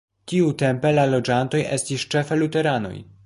Tiutempe la loĝantoj estis ĉefe luteranoj.